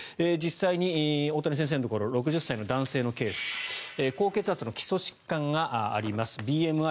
実際に大谷先生のところ６０歳の男性のケース高血圧の基礎疾患があります。